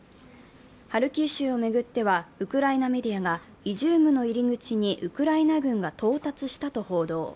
ハルキウ州を巡っては、ウクライナメディアがイジュームの入り口にウクライナ軍が到達したと報道。